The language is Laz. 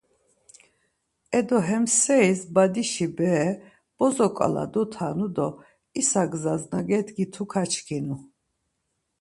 Edo, hem seris badişi bere bozo ǩala dotanu do isa gzas na gedgit̆i kaçkinu.